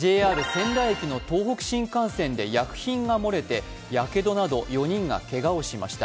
仙台駅の東北新幹線で薬品が漏れてやけどなど４人がけがをしました。